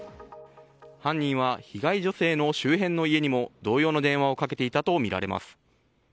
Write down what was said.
犯人は被害女性の周辺の家にも同様の電話をかけていたとみられます。